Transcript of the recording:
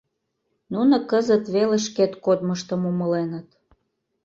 Нуно кызыт веле шкет кодмыштым умыленыт.